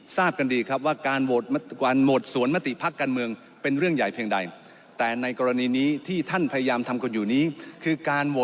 ท่านประธานครับท่านประธานครับท่านประธานครับท่านประธานครับ